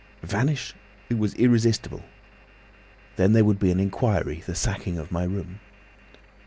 Vanish! It was irresistible. Then there would be an inquiry, the sacking of my room.